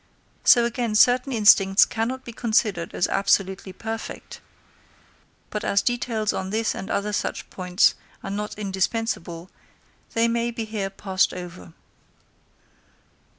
So again certain instincts cannot be considered as absolutely perfect; but as details on this and other such points are not indispensable, they may be here passed over.